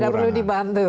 sudah tidak perlu dibantu